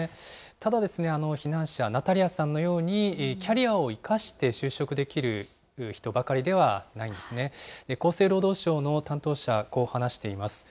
ただですね、避難者、ナタリアさんのように、キャリアを生かして就職できる人ばかりではないんですね。厚生労働省の担当者、こう話しています。